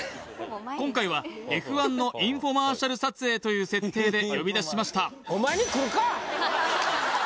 今回はＦ１のインフォマーシャル撮影という設定で呼び出しました